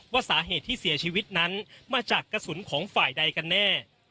ว่าสาเหตุที่เสียชีวิตนั้นมาจากกระสุนของฝ่ายใดกันแน่